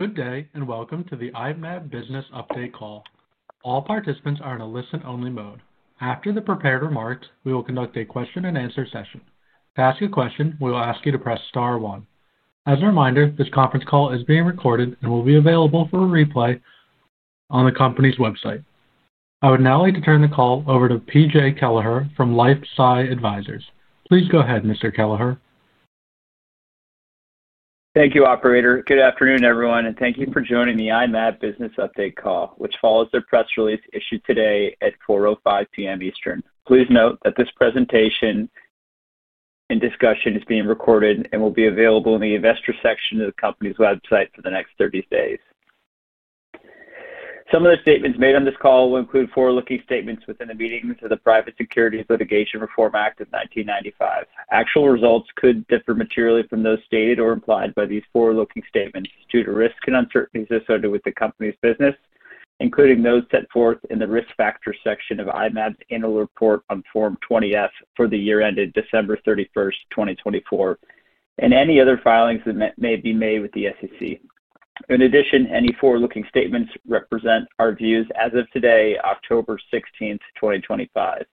Good day and welcome to the I-Mab Business Update Call. All participants are in a listen-only mode. After the prepared remarks, we will conduct a question-and-answer session. To ask a question, we will ask you to press star one. As a reminder, this conference call is being recorded and will be available for a replay on the company's website. I would now like to turn the call over to PJ Kelleher from LifeSci Advisors. Please go ahead, Mr. Kelleher. Thank you, Operator. Good afternoon, everyone, and thank you for joining the I-Mab Business Update Call, which follows the press release issued today at 4:05 P.M. Eastern. Please note that this presentation and discussion is being recorded and will be available in the investor section of the company's website for the next 30 days. Some of the statements made on this call will include forward-looking statements within the meanings of the Private Securities Litigation Reform Act of 1995. Actual results could differ materially from those stated or implied by these forward-looking statements due to risks and uncertainties associated with the company's business, including those set forth in the Risk Factors section of I-Mab's annual report on Form 20-F for the year ended December 31, 2024, and any other filings that may be made with the SEC. In addition, any forward-looking statements represent our views as of today, October 16, 2025.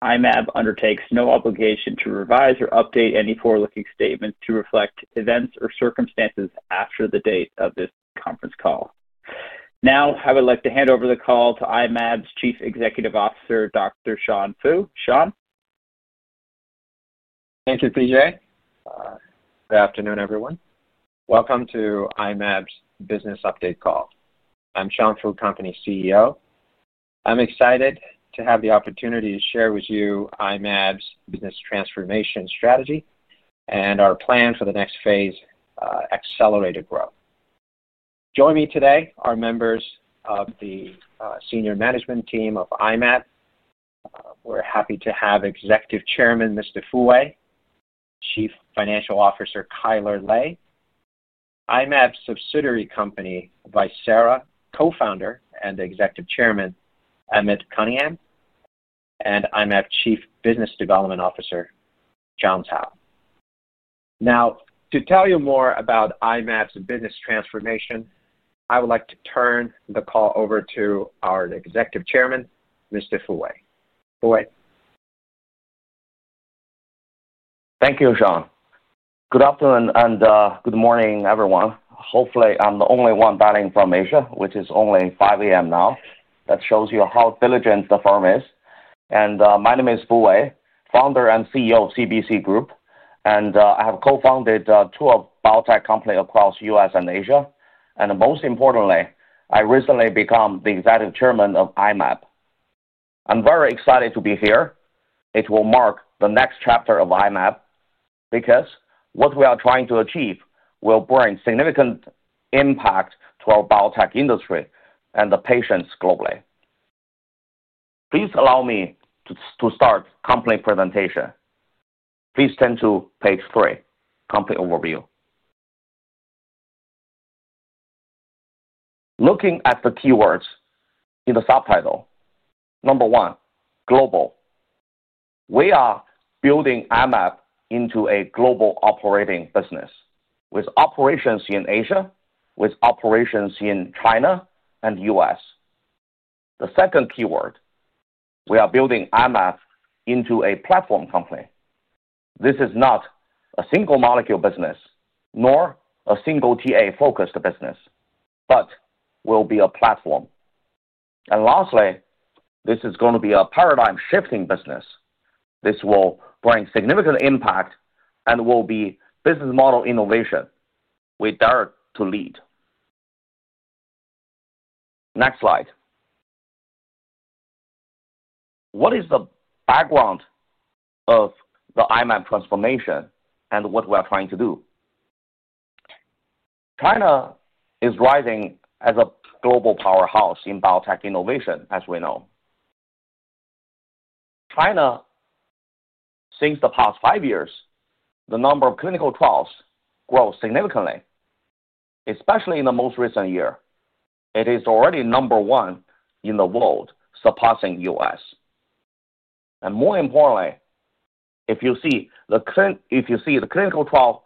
I-Mab undertakes no obligation to revise or update any forward-looking statements to reflect events or circumstances after the date of this conference call. Now, I would like to hand over the call to I-Mab's Chief Executive Officer, Dr. Sean Fu. Sean. Thank you, PJ. Good afternoon, everyone. Welcome to I-Mab's Business Update Call. I'm Sean Fu, Company CEO. I'm excited to have the opportunity to share with you I-Mab's business transformation strategy and our plan for the next phase, accelerated growth. Joining me today are members of the senior management team of I-Mab. We're happy to have Executive Chairman Mr. Fu Wei and Chief Financial Officer Kyler Lei. I-Mab's subsidiary company Visara, Co-Founder and Executive Chairman Emmett Cunningham, and I-Mab Chief Business Development Officer Sean Cao. Now, to tell you more about I-Mab's business transformation, I would like to turn the call over to our Executive Chairman, Mr. Fu Wei. Fu Wei. Thank you, Sean. Good afternoon and good morning, everyone. Hopefully, I'm the only one dialing from Asia, which is only 5:00 A.M. now. That shows you how diligent the firm is. My name is Fu Wei, Founder and CEO of CBC Group, and I have co-founded two of the biotech companies across the U.S. and Asia. Most importantly, I recently became the Executive Chairman of I-Mab. I'm very excited to be here. It will mark the next chapter of I-Mab because what we are trying to achieve will bring significant impact to our biotech industry and the patients globally. Please allow me to start the company presentation. Please turn to page three, company overview. Looking at the keywords in the subtitle, number one, global. We are building I-Mab into a global operating business with operations in Asia, with operations in China and the U.S. The second keyword, we are building I-Mab into a platform company. This is not a single molecule business, nor a single TA-focused business, but will be a platform. Lastly, this is going to be a paradigm-shifting business. This will bring significant impact and will be a business model innovation we dare to lead. Next slide. What is the background of the I-Mab transformation and what we are trying to do? China is rising as a global powerhouse in biotech innovation, as we know. China, since the past five years, the number of clinical trials has grown significantly, especially in the most recent year. It is already number one in the world, surpassing the U.S. More importantly, if you see the clinical trial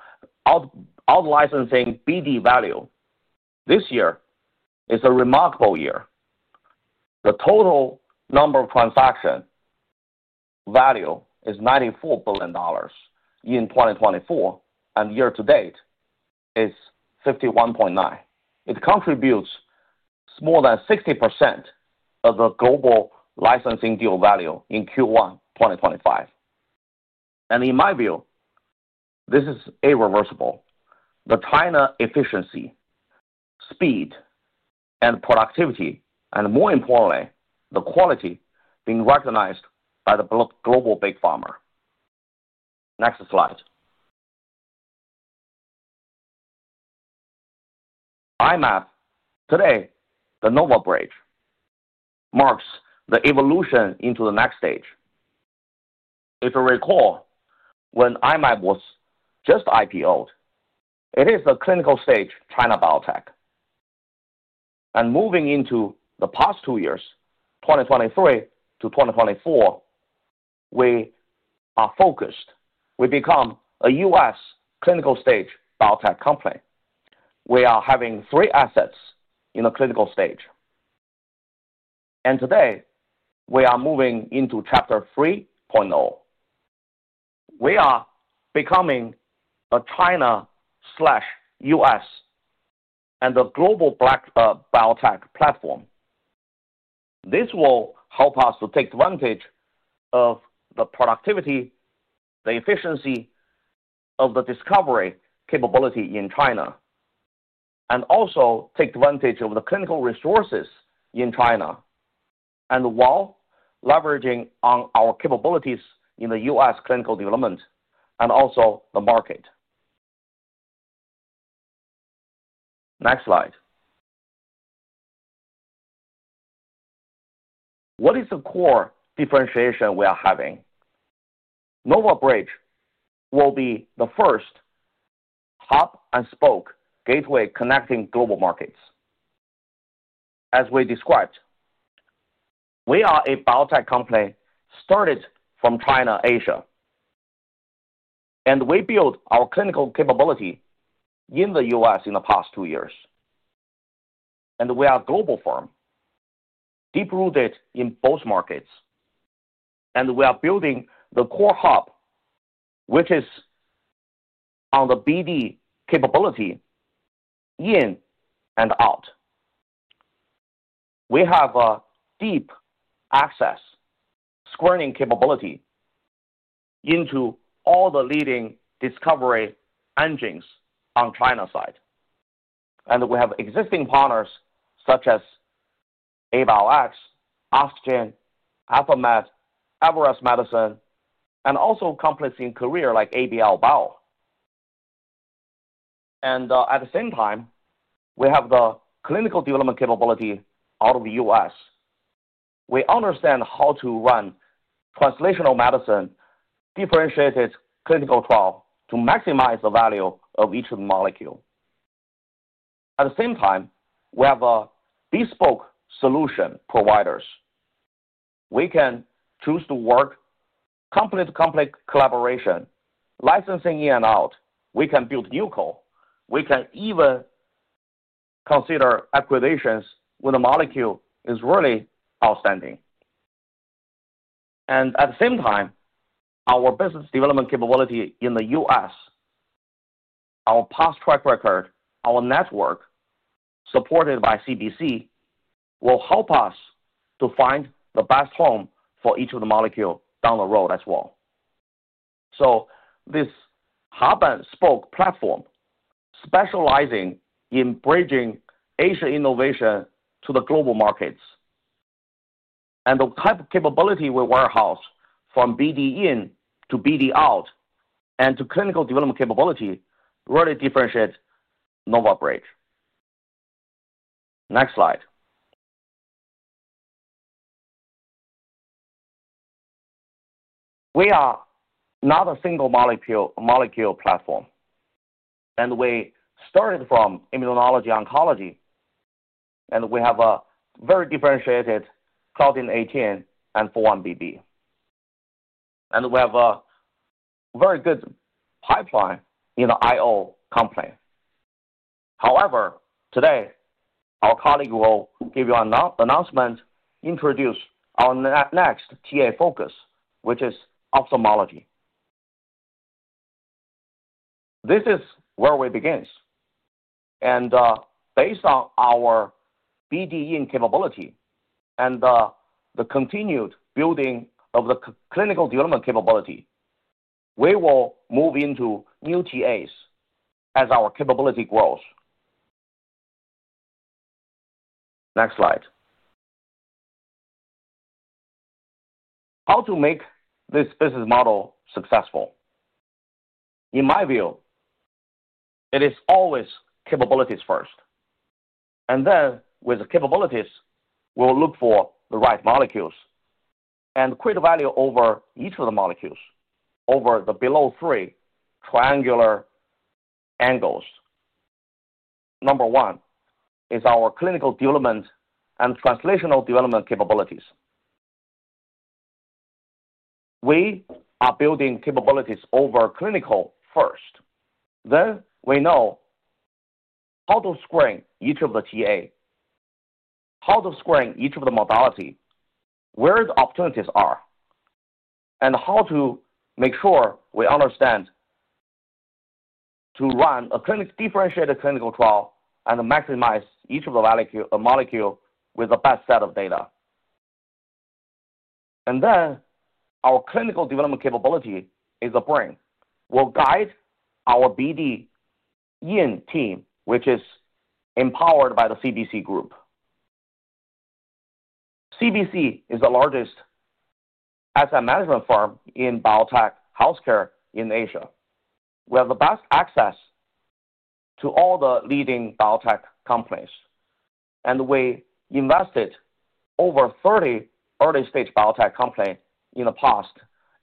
out-licensing BD value this year, it's a remarkable year. The total number of transaction value is $94 billion in 2024, and year-to-date is $51.9 billion. It contributes more than 60% of the global licensing deal value in Q1 2025. In my view, this is irreversible. The China efficiency, speed, and productivity, and more importantly, the quality being recognized by the global big pharma. Next slide. I-Mab, today, the NovaBridge, marks the evolution into the next stage. If you recall, when I-Mab was just IPO'ed, it is a clinical-stage China biotech. Moving into the past two years, 2023-2024, we are focused. We become a U.S. clinical-stage biotech company. We are having three assets in the clinical stage. Today, we are moving into chapter 3.0. We are becoming a China/U.S. and a global biotech platform. This will help us to take advantage of the productivity, the efficiency of the discovery capability in China, and also take advantage of the clinical resources in China, while leveraging on our capabilities in the U.S. clinical development and also the market. Next slide. What is the core differentiation we are having? Nova Bridge will be the first hub-and-spoke gateway connecting global markets. As we described, we are a biotech company started from China and Asia. We built our clinical capability in the U.S. in the past two years, and we are a global firm, deep-rooted in both markets. We are building the core hub, which is on the BD capability in and out. We have a deep access screening capability into all the leading discovery engines on China's side. We have existing partners such as ABio-X, Oxygen, AFAMED, Everest Medicines, and also companies in Korea like ABL Bio. At the same time, we have the clinical development capability out of the U.S. We understand how to run translational medicine, differentiated clinical trial to maximize the value of each molecule. At the same time, we have bespoke solution providers. We can choose to work in complete collaboration, licensing in and out. We can build new co. We can even consider acquisitions when the molecule is really outstanding. At the same time, our business development capability in the U.S., our past track record, our network supported by CBC Group will help us to find the best home for each of the molecules down the road as well. This hub-and-spoke platform is specializing in bridging Asian innovation to the global markets. The type of capability we warehouse from BD in to BD out and to clinical development capability really differentiates NovaBridge. Next slide. We are not a single molecule platform. We started from immuno-oncology, and we have a very differentiated Claudin 18 and 4-1BB. We have a very good pipeline in the IO company. However, today, our colleague will give you an announcement to introduce our next TA focus, which is ophthalmology. This is where we begin. Based on our BD in capability and the continued building of the clinical development capability, we will move into new TAs as our capability grows. Next slide. How to make this business model successful? In my view, it is always capabilities first. With the capabilities, we will look for the right molecules and create value over each of the molecules over the below three triangular angles. Number one is our clinical development and translational development capabilities. We are building capabilities over clinical first. We know how to screen each of the TA, how to screen each of the modality, where the opportunities are, and how to make sure we understand to run a differentiated clinical trial and maximize each of the molecules with the best set of data. Our clinical development capability is the brain. It will guide our BD in team, which is empowered by the CBC Group. CBC is the largest asset management firm in biotech healthcare in Asia. We have the best access to all the leading biotech companies. We invested over 30 early-stage biotech companies in the past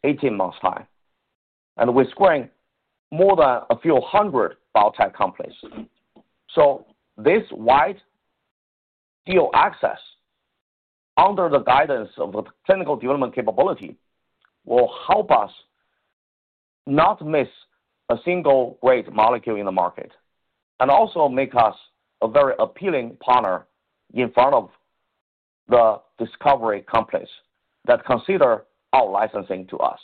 18 months. We screened more than a few hundred biotech companies. This wide deal access under the guidance of the clinical development capability will help us not miss a single great molecule in the market and also make us a very appealing partner in front of the discovery companies that consider out-licensing to us.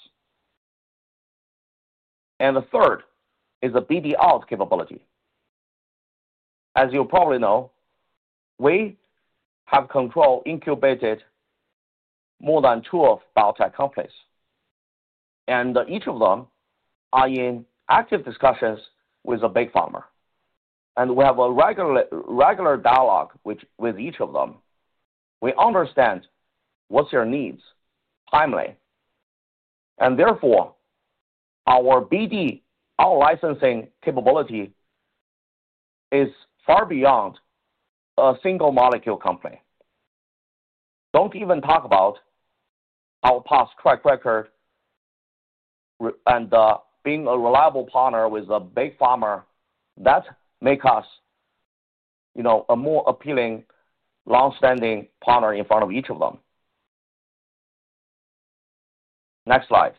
The third is the BD out capability. As you probably know, we have controlled incubated more than two biotech companies. Each of them are in active discussions with the big pharma. We have a regular dialogue with each of them. We understand what's your needs timely. Therefore, our BD out-licensing capability is far beyond a single molecule company. Don't even talk about our past track record and being a reliable partner with a big pharma that makes us a more appealing, long-standing partner in front of each of them. Next slide.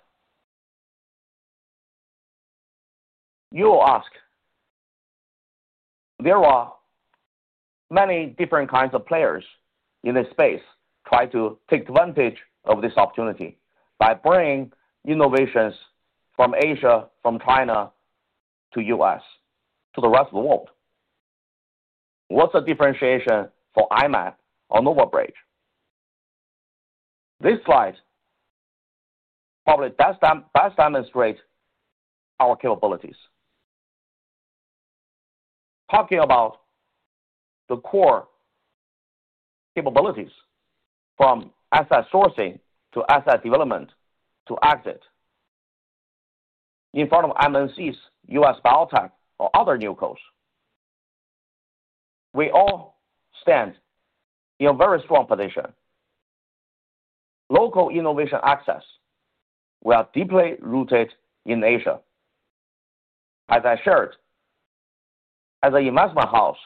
You will ask, there are many different kinds of players in this space trying to take advantage of this opportunity by bringing innovations from Asia, from China to the U.S., to the rest of the world. What's the differentiation for I-Mab or NovaBridge? This slide probably best demonstrates our capabilities. Talking about the core capabilities from asset sourcing to asset development to exit in front of MNC's U.S. biotech or other new calls. We all stand in a very strong position. Local innovation access. We are deeply rooted in Asia. As I shared, as an investment house,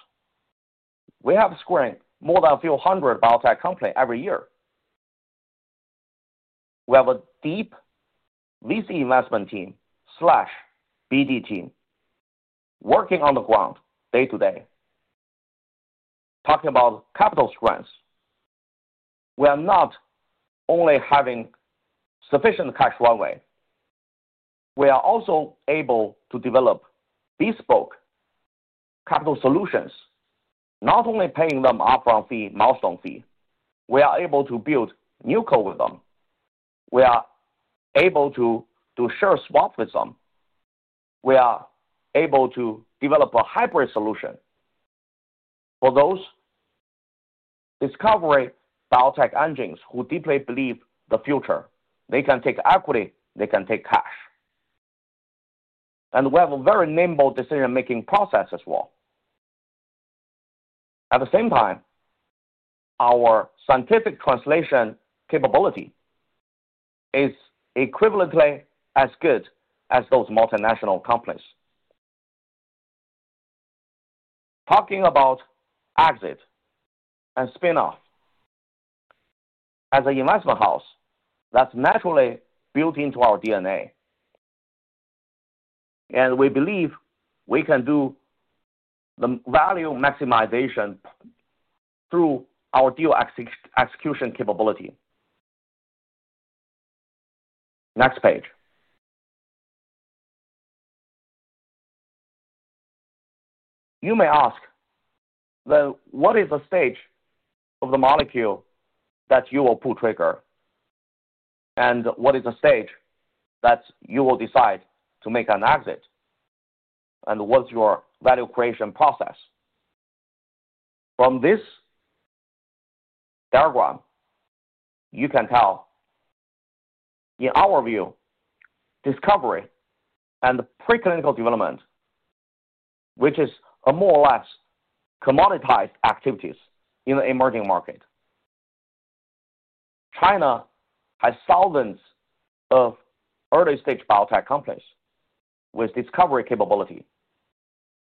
we have screened more than a few hundred biotech companies every year. We have a deep VC investment team/BD team working on the ground day to day. Talking about capital strengths, we are not only having sufficient cash runway, we are also able to develop bespoke capital solutions, not only paying them upfront fee, milestone fee. We are able to build new core with them. We are able to do share swap with them. We are able to develop a hybrid solution for those discovery biotech engines who deeply believe the future. They can take equity, they can take cash, and we have a very nimble decision-making process as well. At the same time, our scientific translation capability is equivalently as good as those multinational companies. Talking about exit and spin-off, as an investment house, that's naturally built into our DNA. We believe we can do the value maximization through our deal execution capability. Next page. You may ask, what is the stage of the molecule that you will pull trigger? What is the stage that you will decide to make an exit? What's your value creation process? From this diagram, you can tell in our view, discovery and preclinical development, which is a more or less commoditized activity in the emerging market. China has thousands of early-stage biotech companies with discovery capability.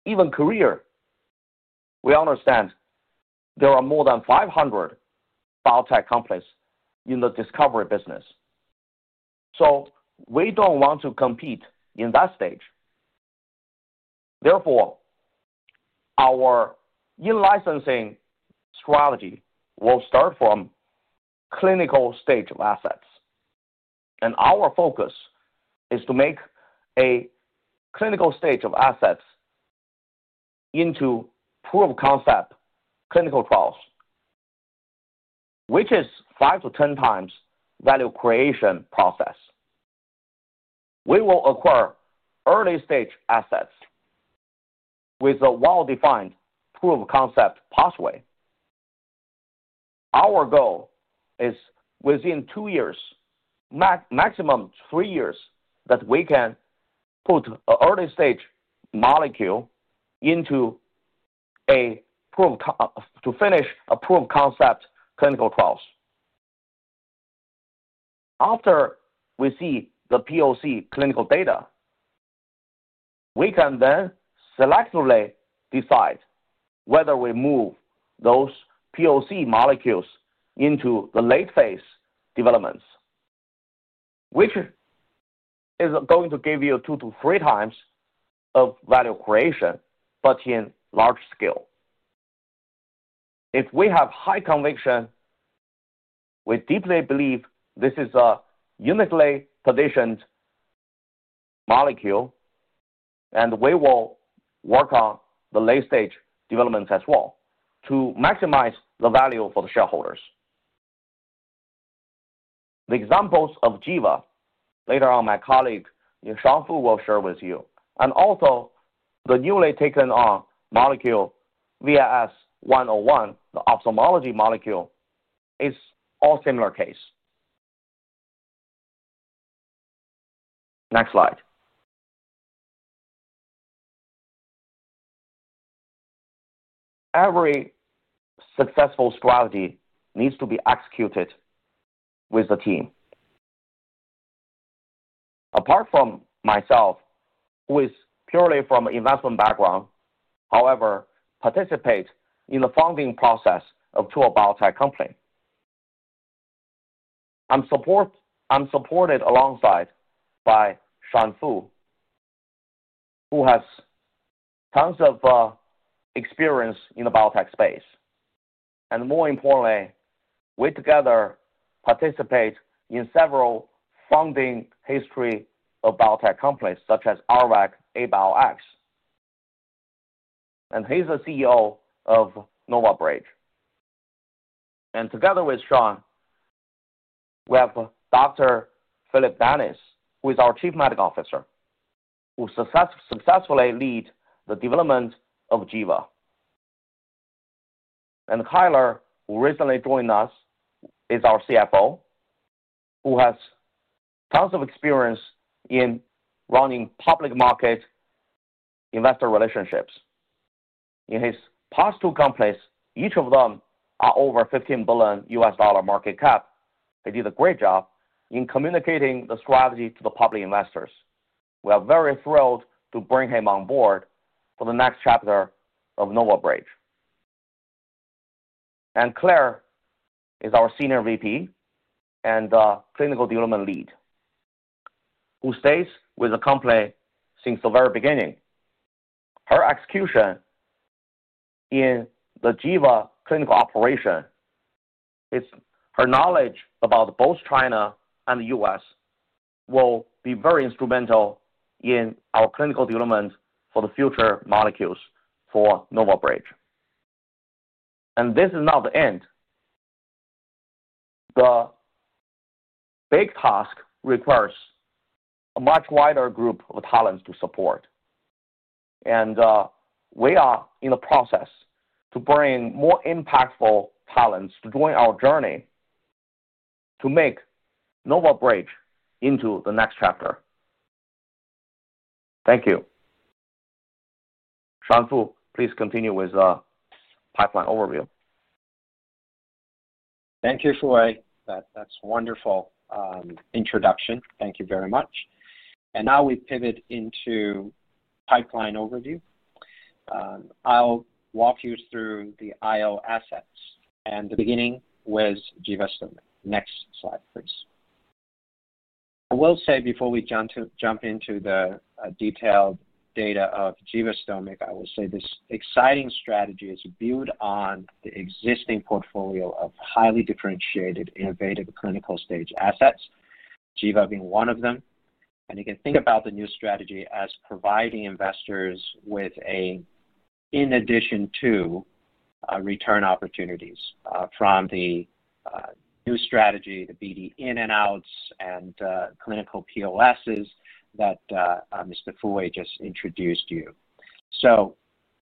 Even in Korea, we understand there are more than 500 biotech companies in the discovery business. We don't want to compete in that stage. Therefore, our in-licensing strategy will start from clinical stage of assets. Our focus is to make a clinical stage of assets into proof of concept clinical trials, which is 5x-10x value creation process. We will acquire early-stage assets with a well-defined proof of concept pathway. Our goal is within two years, maximum three years, that we can put an early-stage molecule into a proof to finish a proof of concept clinical trials. After we see the POC clinical data, we can then selectively decide whether we move those POC molecules into the late-phase developments, which is going to give you 2x-3x of value creation, but in large scale. If we have high conviction, we deeply believe this is a uniquely positioned molecule, and we will work on the late-stage developments as well to maximize the value for the shareholders. The examples of [Givastomig], later on my colleague Sean Fu will share with you, and also the newly taken on molecule VIS-101, the ophthalmology molecule, is all a similar case. Next slide. Every successful strategy needs to be executed with the team. Apart from myself, who is purely from an investment background, however, participates in the founding process of two biotech companies, I'm supported alongside by Sean Fu, who has tons of experience in the biotech space. More importantly, we together participate in several founding histories of biotech companies such as RVAC, Abiox. He is the CEO of NovaBridge. Together with Sean, we have Dr. Phillip Dennis, who is our Chief Medical Officer, who successfully leads the development of [Givastomig]. Tyler, who recently joined us, is our CFO, who has tons of experience in running public market investor relationships. In his past two companies, each of them are over $15 billion market cap. They did a great job in communicating the strategy to the public investors. We are very thrilled to bring him on board for the next chapter of NovaBridge. Claire is our Senior Vice President and Clinical Development Lead, who stays with the company since the very beginning. Her execution in the [Givastomig] clinical operation, her knowledge about both China and the U.S., will be very instrumental in our clinical development for the future molecules for NovaBridge. This is not the end. The big task requires a much wider group of talents to support. We are in the process to bring more impactful talents to join our journey to make NovaBridge into the next chapter. Thank you. Sean Fu, please continue with the pipeline overview. Thank you, Fu Wei. That's a wonderful introduction. Thank you very much. Now we pivot into pipeline overview. I'll walk you through the IO assets, beginning with [Givastomig]. Next slide, please. Before we jump into the detailed data of [Givastomig], I will say this exciting strategy is built on the existing portfolio of highly differentiated, innovative clinical-stage assets, [Givastomig] being one of them. You can think about the new strategy as providing investors with, in addition to return opportunities from the new strategy, the BD in and outs, and clinical POSs that Mr. Fu Wei just introduced to you.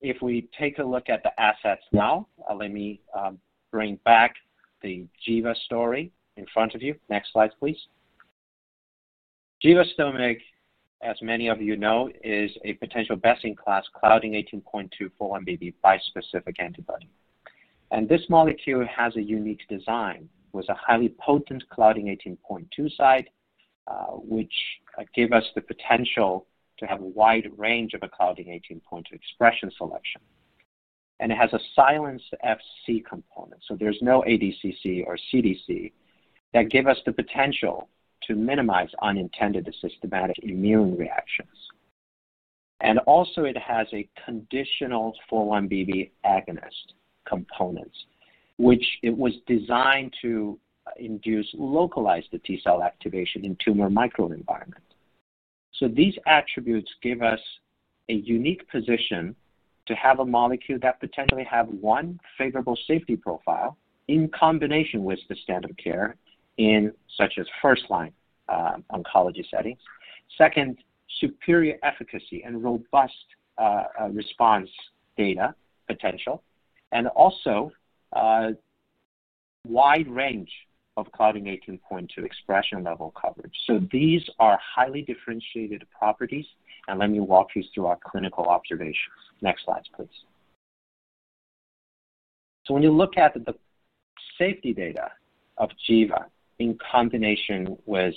If we take a look at the assets now, let me bring back the [Givastomig] story in front of you. Next slide, please. [Givastomig], as many of you know, is a potential best-in-class Claudin 18.2/4-1BB bispecific antibody. This molecule has a unique design with a highly potent Claudin 18.2 site, which gave us the potential to have a wide range of Claudin 18.2 expression selection. It has a silenced FC component, so there's no ADCC or CDC, which gives us the potential to minimize unintended systematic immune reactions. It also has a conditional 4-1BB agonist component, which was designed to induce localized T cell activation in the tumor microenvironment. These attributes give us a unique position to have a molecule that potentially has one favorable safety profile in combination with the standard of care, such as first-line oncology settings, superior efficacy and robust response data potential, and a wide range of Claudin 18.2 expression level coverage. These are highly differentiated properties. Let me walk you through our clinical observations. Next slide, please. When you look at the safety data of [Givastomig] in combination with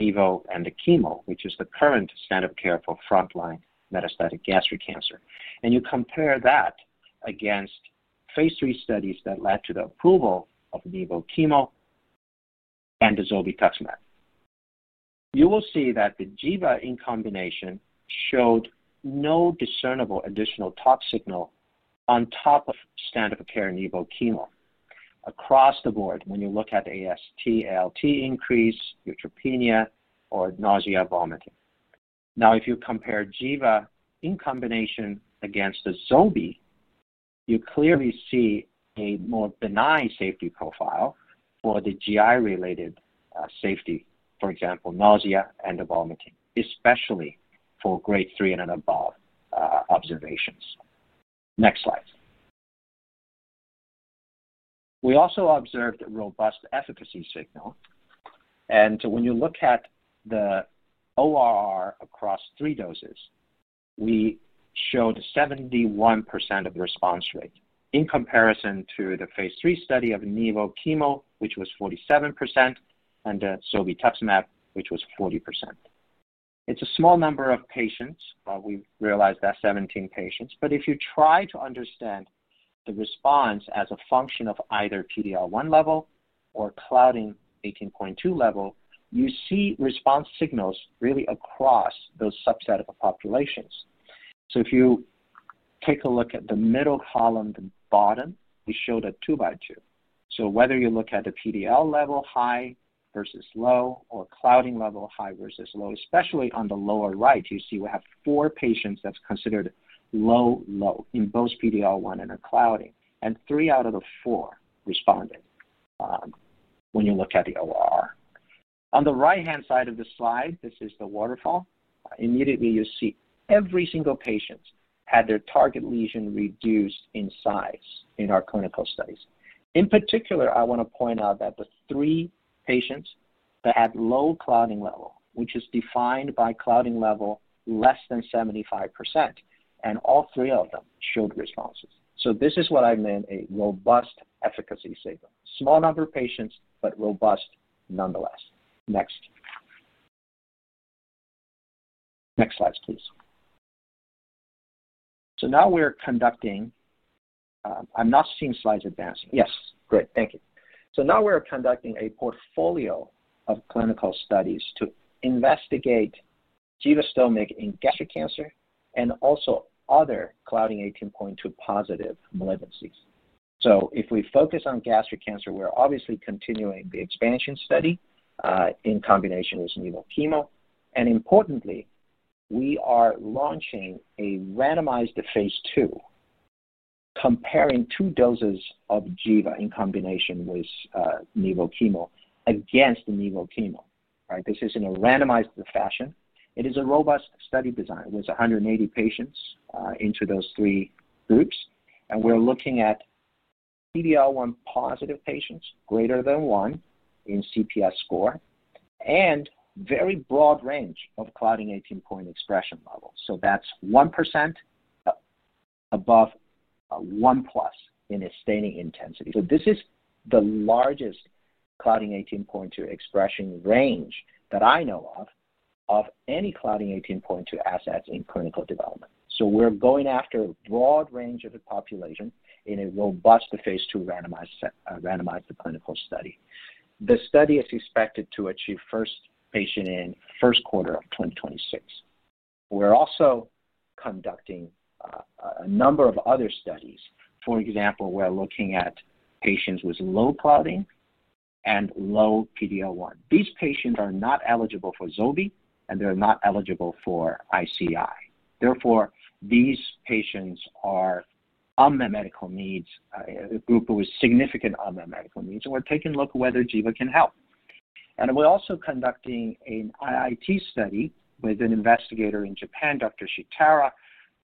[Nivolumab] and the chemo, which is the current standard of care for front-line metastatic gastric cancer, and you compare that against phase III studies that led to the approval of [Nivolumab] chemo and zolbetuximab, you will see that the [Givastomig] in combination showed no discernible additional toxic signal on top of standard of care [Nivolumab] chemo across the board when you look at the AST, ALT increase, neutropenia, or nausea/vomiting. If you compare [Givastomig] in combination against zolbetuximab, you clearly see a more benign safety profile for the GI-related safety, for example, nausea and vomiting, especially for grade 3 and above observations. Next slide. We also observed a robust efficacy signal. When you look at the ORR across three doses, we showed 71% of the response rate in comparison to the phase three study of [Nivolumab] chemo, which was 47%, and zolbetuximab, which was 40%. It's a small number of patients, but we realized that's 17 patients. If you try to understand the response as a function of either PDL1 level or Claudin 18.2 level, you see response signals really across those subsets of the populations. If you take a look at the middle column, the bottom, we showed a two by two. Whether you look at the PDL1 level high versus low or Claudin level high versus low, especially on the lower right, you see we have four patients that's considered low, low in both PDL1 and Claudin. Three out of the four responded when you look at the ORR. On the right-hand side of the slide, this is the waterfall. Immediately, you see every single patient had their target lesion reduced in size in our clinical studies. In particular, I want to point out that the three patients that had low Claudin level, which is defined by Claudin level less than 75%, and all three of them showed responses. This is what I meant: a robust efficacy signal. Small number of patients, but robust nonetheless. Next. Next slide, please. Now we're conducting a portfolio of clinical studies to investigate [Givastomig] in gastric cancer and also other Claudin 18.2 positive malignancies. If we focus on gastric cancer, we're obviously continuing the expansion study in combination with [Nivolumab] chemo. Importantly, we are launching a randomized phase two, comparing two doses of [Givastomig] in combination with [Nivolumab] chemo against [Nivolumab] chemo. This is in a randomized fashion. It is a robust study design with 180 patients into those three groups. We're looking at PDL1 positive patients, greater than one in CPS score, and a very broad range of Claudin 18.2 expression levels. That's 1% above 1+ in a staining intensity. This is the largest Claudin 18.2 expression range that I know of of any Claudin 18.2 assets in clinical development. We're going after a broad range of the population in a robust phase two randomized clinical study. The study is expected to achieve first patient in the first quarter of 2026. We're also conducting a number of other studies. For example, we're looking at patients with low Claudin and low PDL1. These patients are not eligible for zolbetuximab, and they're not eligible for ICI. Therefore, these patients are unmet medical needs, a group with significant unmet medical needs, and we're taking a look at whether [Givastomig] can help. We're also conducting an IIT study with an investigator in Japan, Dr. Shitara,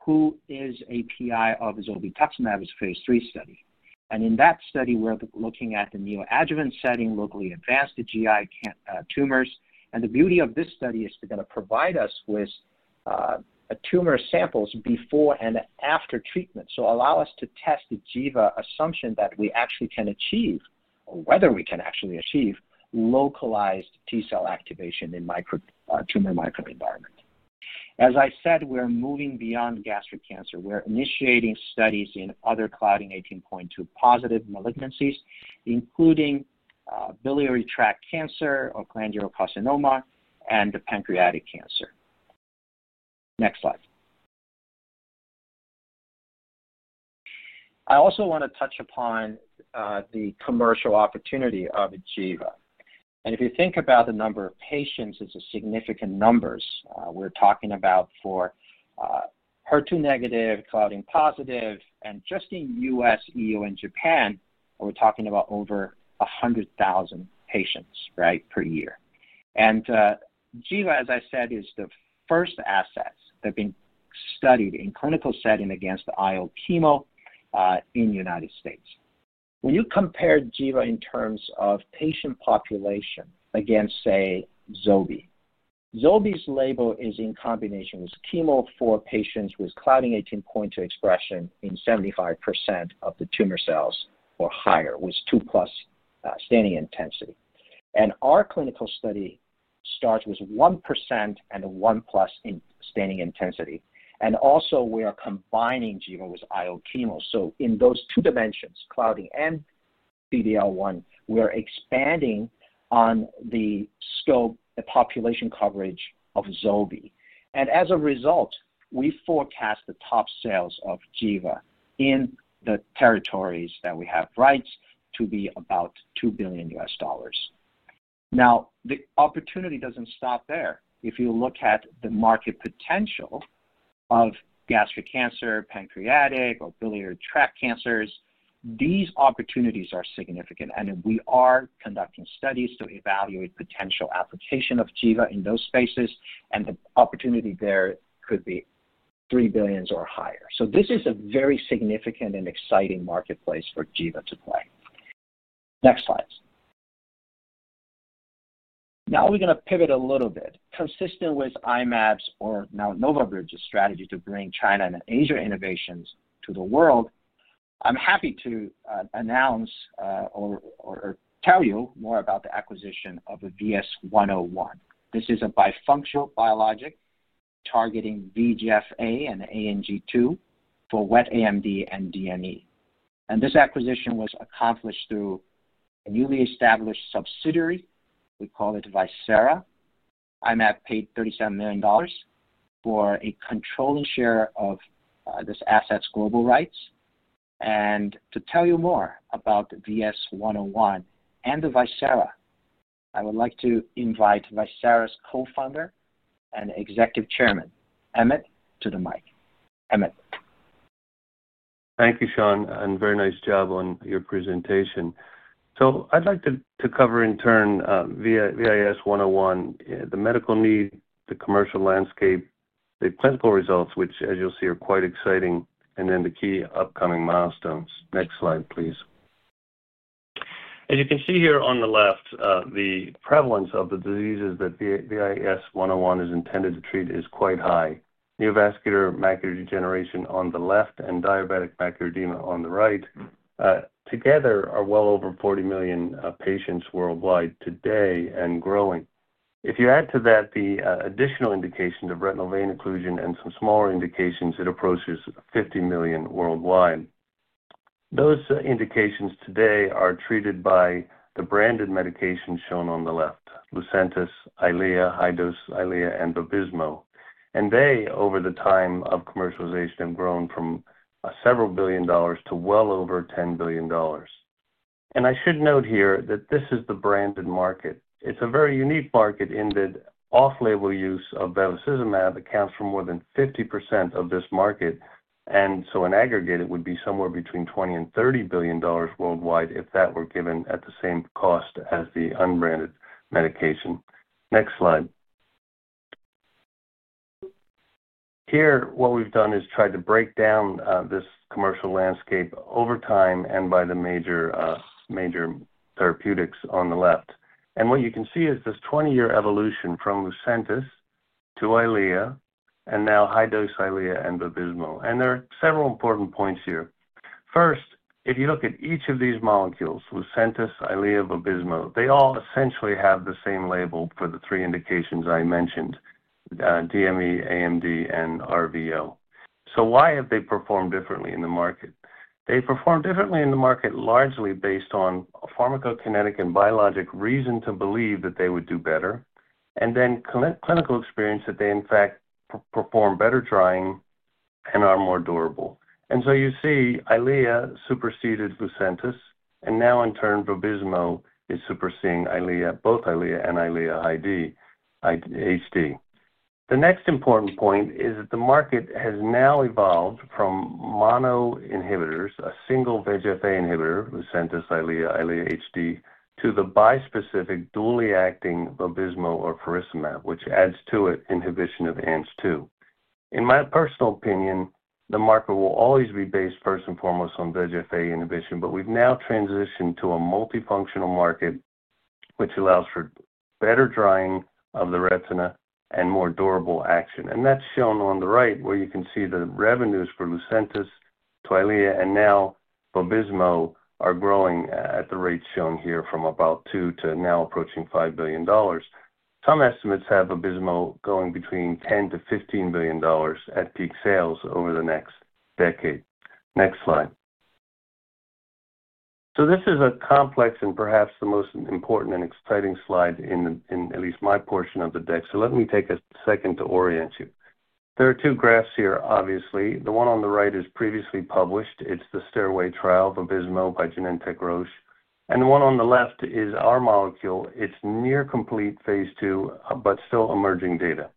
who is a PI of zolbetuximab's phase III study. In that study, we're looking at the neoadjuvant setting, locally advanced GI tumors. The beauty of this study is that it's going to provide us with tumor samples before and after treatment, which allows us to test the [Givastomig] assumption that we actually can achieve, or whether we can actually achieve, localized T cell activation in the tumor microenvironment. As I said, we're moving beyond gastric cancer. We're initiating studies in other Claudin 18.2 positive malignancies, including biliary tract cancer or glandular carcinoma and pancreatic cancer. Next slide. I also want to touch upon the commercial opportunity of [Givastomig]. If you think about the number of patients, it's a significant number we're talking about for HER2 negative, Claudin positive, and just in the U.S., EU, and Japan, we're talking about over 100,000 patients per year. [Givastomig], as I said, is the first asset that's been studied in a clinical setting against the IO chemo in the United States. When you compare [Givastomig] in terms of patient population against, say, zolbetuximab, zolbetuximab's label is in combination with chemo for patients with Claudin 18.2 expression in 75% of the tumor cells or higher with 2+ staining intensity. Our clinical study starts with 1% and 1+ in staining intensity. We are also combining [Givastomig] with IO chemo. In those two dimensions, Claudin and PDL1, we are expanding on the scope, the population coverage of zolbetuximab. As a result, we forecast the top sales of Jewa in the territories that we have rights to be about $2 billion. The opportunity doesn't stop there. If you look at the market potential of gastric cancer, pancreatic, or biliary tract cancers, these opportunities are significant. We are conducting studies to evaluate potential application of [Givastomig] in those spaces, and the opportunity there could be $3 billion or higher. This is a very significant and exciting marketplace for [Givastomig] to play. Next slide. Now we're going to pivot a little bit. Consistent with I-Mab's, or now Nova Bridge's, strategy to bring China and Asia innovations to the world, I'm happy to announce or tell you more about the acquisition of VIS-101. This is a bifunctional biologic targeting VEGFA and Ang2 for wet AMD and DME. This acquisition was accomplished through a newly established subsidiary. We call it Visara. I-Mab paid $37 million for a controlling share of this asset's global rights. To tell you more about VIS-101 and Visara, I would like to invite Visara's Co-founder and Executive Chairman, Emmett, to the mic. Emmett. Thank you, Sean. Very nice job on your presentation. I'd like to cover in turn VIS-101, the medical need, the commercial landscape, the clinical results, which, as you'll see, are quite exciting, and then the key upcoming milestones. Next slide, please. As you can see here on the left, the prevalence of the diseases that VIS-101 is intended to treat is quite high. Neovascular macular degeneration on the left and diabetic macular edema on the right together are well over 40 million patients worldwide today and growing. If you add to that the additional indications of retinal vein occlusion and some smaller indications, it approaches 50 million worldwide. Those indications today are treated by the branded medications shown on the left: LUCENTIS, EYLEA, high-dose EYLEA, and VABYSMO. Over the time of commercialization, they have grown from several billion dollars to well over $10 billion. I should note here that this is the branded market. It's a very unique market in that off-label use of bevacizumab accounts for more than 50% of this market. In aggregate, it would be somewhere between $20 billion-$30 billion worldwide if that were given at the same cost as the unbranded medication. Next slide. Here, what we've done is tried to break down this commercial landscape over time and by the major therapeutics on the left. What you can see is this 20-year evolution from LUCENTIS to EYLEA and now high-dose EYLEA and VABYSMO. There are several important points here. First, if you look at each of these molecules, LUCENTIS, EYLEA, VABYSMO, they all essentially have the same label for the three indications I mentioned, DME, AMD, and RVO. Why have they performed differently in the market? They performed differently in the market largely based on a pharmacokinetic and biologic reason to believe that they would do better, and then clinical experience that they, in fact, perform better drying and are more durable. You see EYLEA superseded LUCENTIS, and now in turn, VABYSMO is superseding EYLEA, both EYLEA and EYLEA HD. The next important point is that the market has now evolved from mono inhibitors, a single VEGFA inhibitor, LUCENTIS, EYLEA, EYLEA HD, to the bispecific dually acting VABYSMO, which adds to it inhibition of Ang2. In my personal opinion, the market will always be based first and foremost on VEGF inhibition, but we've now transitioned to a multifunctional market, which allows for better drying of the retina and more durable action. That's shown on the right, where you can see the revenues for LUCENTIS to EYLEA, and now VABYSMO are growing at the rates shown here from about $2 billion to now approaching $5 billion. Some estimates have VABYSMO going between $10 billion-$15 billion at peak sales over the next decade. Next slide. This is a complex and perhaps the most important and exciting slide in at least my portion of the deck. Let me take a second to orient you. There are two graphs here, obviously. The one on the right is previously published. It's the stairway trial, VABYSMO by Genentech Roche. The one on the left is our molecule. It's near complete phase two, but still emerging data.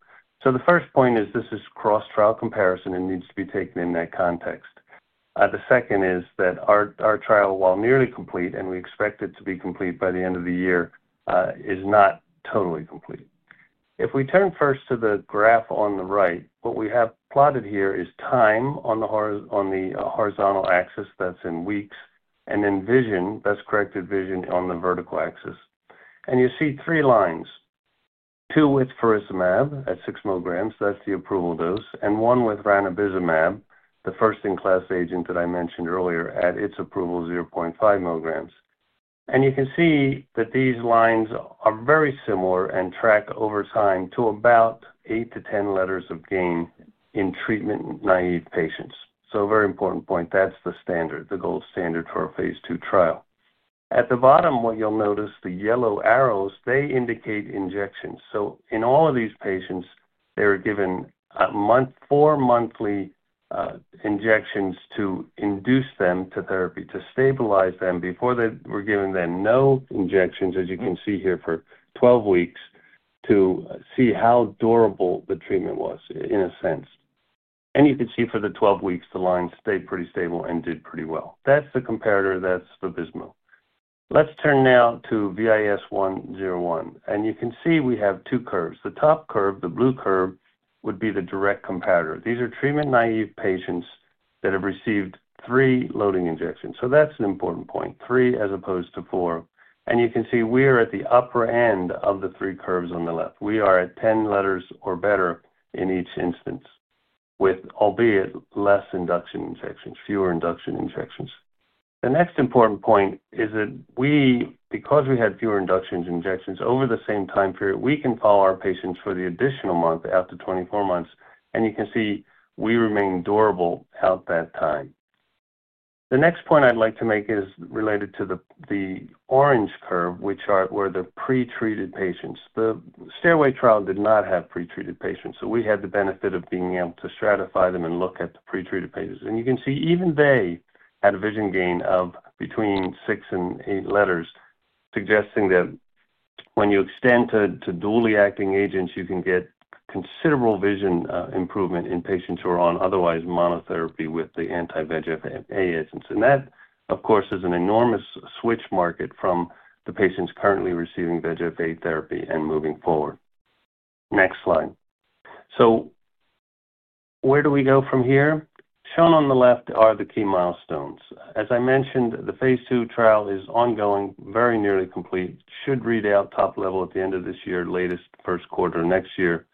The first point is this is cross-trial comparison and needs to be taken in that context. The second is that our trial, while nearly complete, and we expect it to be complete by the end of the year, is not totally complete. If we turn first to the graph on the right, what we have plotted here is time on the horizontal axis, that's in weeks, and then vision, best-corrected vision on the vertical axis. You see three lines: two with Furosemide at 6 mg, that's the approval dose, and one with ranibizumab, the first-in-class agent that I mentioned earlier, at its approval 0.5 mg. You can see that these lines are very similar and track over time to about 8-10 letters of gain in treatment-naive patients. A very important point. That's the standard, the gold standard for a phase two trial. At the bottom, you'll notice, the yellow arrows, they indicate injections. In all of these patients, they were given four monthly injections to induce them to therapy, to stabilize them before they were given no injections, as you can see here, for 12 weeks to see how durable the treatment was in a sense. You could see for the 12 weeks, the lines stayed pretty stable and did pretty well. That's the comparator. That's VABYSMO. Let's turn now to VIS-101. You can see we have two curves. The top curve, the blue curve, would be the direct comparator. These are treatment-naive patients that have received three loading injections. That's an important point. Three as opposed to four. You can see we are at the upper end of the three curves on the left. We are at 10 letters or better in each instance, with albeit fewer induction injections. The next important point is that we, because we had fewer induction injections over the same time period, can follow our patients for the additional month out to 24 months. You can see we remain durable out that time. The next point I'd like to make is related to the orange curve, which were the pretreated patients. The stairway trial did not have pretreated patients. We had the benefit of being able to stratify them and look at the pretreated patients. You can see even they had a vision gain of between 6-8 letters, suggesting that when you extend to dually acting agents, you can get considerable vision improvement in patients who are on otherwise monotherapy with the anti-VEGFA agents. That, of course, is an enormous switch market from the patients currently receiving VEGFA therapy and moving forward. Next slide. Where do we go from here? Shown on the left are the key milestones. As I mentioned, the phase two trial is ongoing, very nearly complete, should read out top level at the end of this year, latest first quarter next year.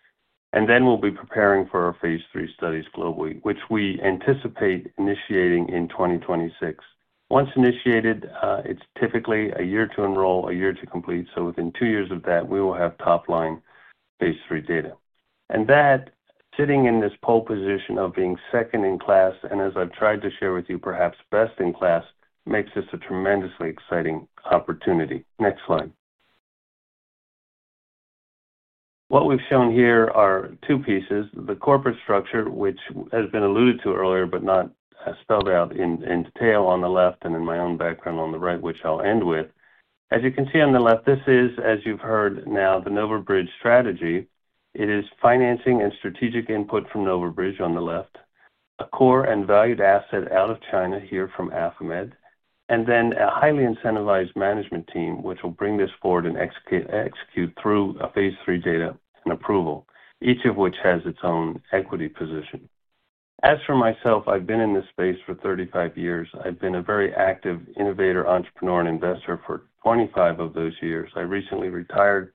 We will be preparing for our phase III studies globally, which we anticipate initiating in 2026. Once initiated, it's typically a year to enroll, a year to complete. Within two years of that, we will have top-line phase III data. That, sitting in this pole position of being second in class, and as I've tried to share with you, perhaps best in class, makes this a tremendously exciting opportunity. Next slide. What we've shown here are two pieces. The corporate structure, which has been alluded to earlier but not spelled out in detail on the left and in my own background on the right, which I'll end with. As you can see on the left, this is, as you've heard now, the NovaBridge strategy. It is financing and strategic input from NovaBridge on the left, a core and valued asset out of China here from AFAMED, and then a highly incentivized management team, which will bring this forward and execute through phase III data and approval, each of which has its own equity position. As for myself, I've been in this space for 35 years. I've been a very active innovator, entrepreneur, and investor for 25 of those years. I recently retired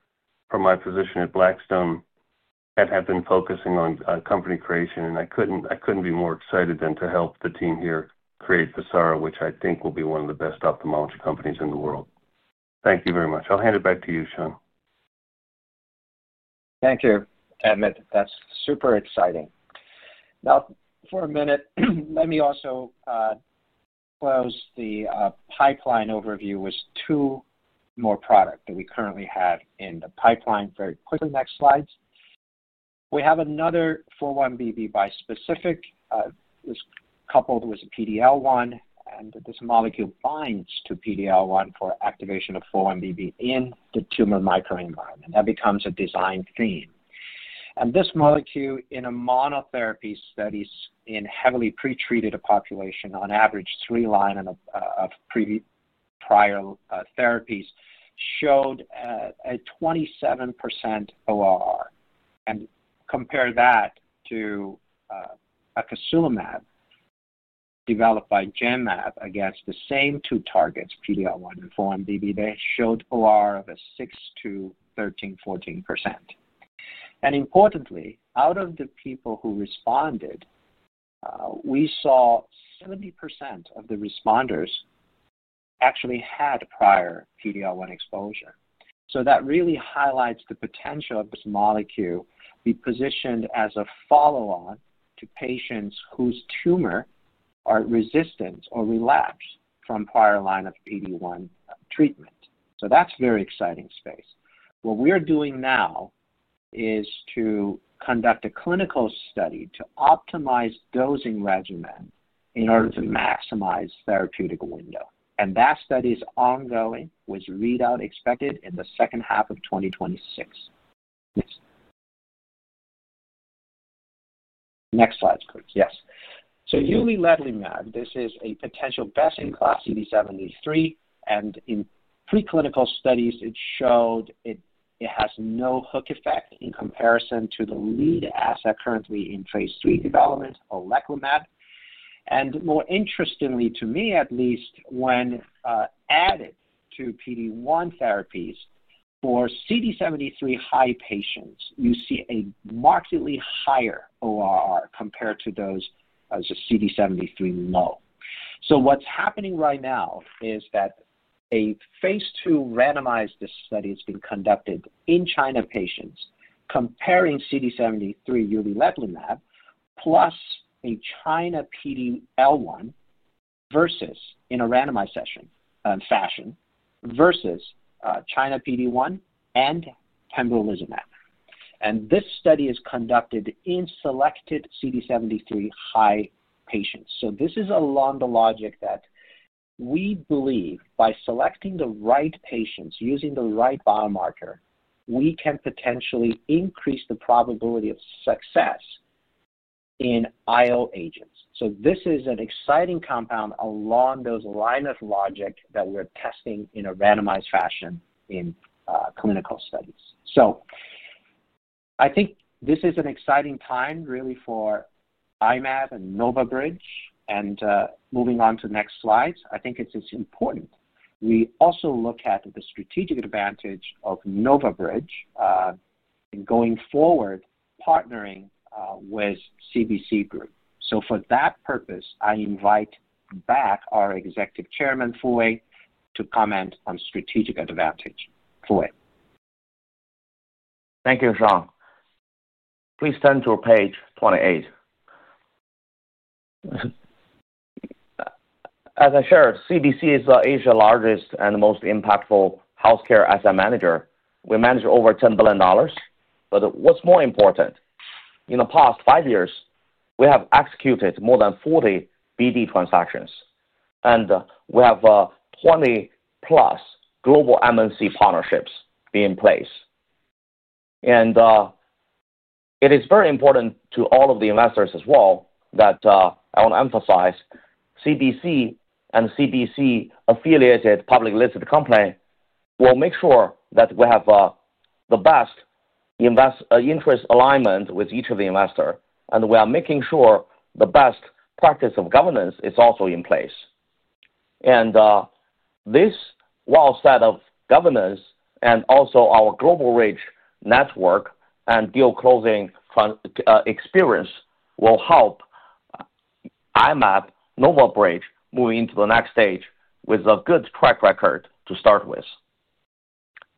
from my position at Blackstone and have been focusing on company creation. I couldn't be more excited than to help the team here create Visara, which I think will be one of the best ophthalmology companies in the world. Thank you very much. I'll hand it back to you, Sean. Thank you, Emmett. That's super exciting. Now, for a minute, let me also close the pipeline overview with two more products that we currently have in the pipeline. Very quickly, next slide. We have another 4-1BB bispecific. It's coupled with a PDL1, and this molecule binds to PDL1 for activation of 4-1BB in the tumor microenvironment. That becomes a design theme. This molecule in a monotherapy study in a heavily pretreated population, on average three lines of prior therapies, showed a 27% ORR. Compare that to Adalimumab developed by GenMab against the same two targets, PDL1 and 4-1BB. They showed ORR of a 6%-13%, 14%. Importantly, out of the people who responded, we saw 70% of the responders actually had prior PDL1 exposure. That really highlights the potential of this molecule to be positioned as a follow-on to patients whose tumors are resistant or relapsed from prior lines of PDL1 treatment. That's a very exciting space. What we are doing now is to conduct a clinical study to optimize dosing regimen in order to maximize therapeutic window. That study is ongoing with readout expected in the second half of 2026. Next slide, please. Yes. Elotuzumab this is a potential best-in-class CD73. In preclinical studies, it showed it has no hook effect in comparison to the lead asset currently in phase three development, Oleclumab. More interestingly, to me at least, when added to PDL1 therapies for CD73 high patients, you see a markedly higher ORR compared to those as a CD73 low. What's happening right now is that a phase II randomized study is being conducted in China patients comparing CD73 Elotuzumab plus a China PDL1 versus in a randomized fashion versus China PDL1 and Pembrolizumab. This study is conducted in selected CD73 high patients. This is along the logic that we believe by selecting the right patients using the right biomarker, we can potentially increase the probability of success in IO agents. This is an exciting compound along those lines of logic that we're testing in a randomized fashion in clinical studies. I think this is an exciting time really for I-Mab and NovaBridge. Moving on to the next slide, I think it's important. We also look at the strategic advantage of NovaBridge in going forward, partnering with CBC Group. For that purpose, I invite back our Executive Chairman Fu Wei to comment on strategic advantage. Fu Wei. Thank you, Sean. Please turn to page 28. As I shared, CBC is Asia's largest and most impactful healthcare asset manager. We manage over $10 billion. What's more important, in the past five years, we have executed more than 40 BD transactions. We have 20+ global MNC partnerships in place. It is very important to all of the investors as well that I want to emphasize CBC and CBC-affiliated public listed company will make sure that we have the best interest alignment with each of the investors. We are making sure the best practice of governance is also in place. This well set of governance and also our global reach network and deal closing experience will help I-Mab, NovaBridge move into the next stage with a good track record to start with.